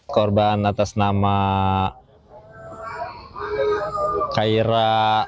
korban atas nama kaira